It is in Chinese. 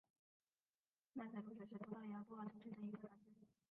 曼塞卢什是葡萄牙波尔图区的一个堂区。